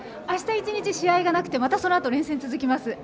あした１日試合がなくてまたそのあと連戦続きます。